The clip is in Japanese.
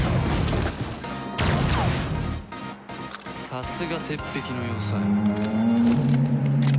さすが鉄壁の要塞。